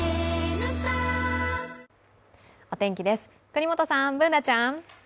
お天気です、國本さんＢｏｏｎａちゃん。